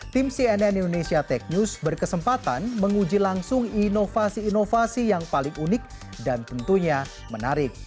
tim cnn indonesia tech news berkesempatan menguji langsung inovasi inovasi yang paling unik dan tentunya menarik